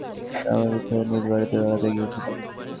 গ্রামের উৎসবে নিজ বাড়িতে বেড়াতে গিয়েছিলাম।